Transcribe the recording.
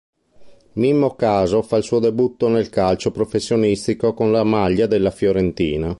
Mimmo Caso fa il suo debutto nel calcio professionistico con la maglia della Fiorentina.